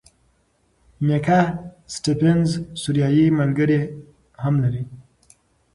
میکا سټیفنز سوریایي ملګری هم لري.